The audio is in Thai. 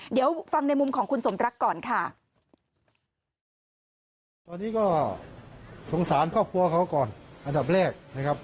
เดี๋ยวฟังในมุมของคุณสมรักษ์ก่อนค่ะ